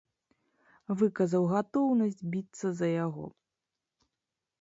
Выказаў гатоўнасць біцца за яго.